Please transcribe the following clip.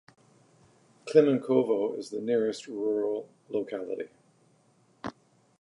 Klimenkovo is the nearest rural locality.